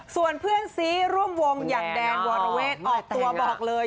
ส่วนเพื่อนซีร่วมวงอย่างแดนวรเวศออกตัวบอกเลย